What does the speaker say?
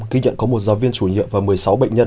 ghi nhận có một giáo viên chủ nhiệm và một mươi sáu bệnh nhân